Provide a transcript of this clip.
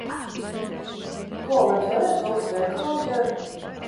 Klau, vai tu varētu vilkt veikala apģērbu?